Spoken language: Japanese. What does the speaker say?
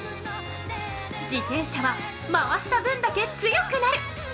自転車は回した分だけ強くなる。